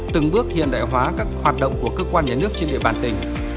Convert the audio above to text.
từng bước hiện đại hóa các hoạt động của cơ quan nhà nước trên địa bàn tỉnh